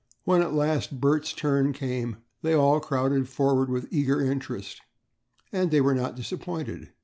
When at last Bert's turn came, they all crowded forward with eager interest, and they were not disappointed.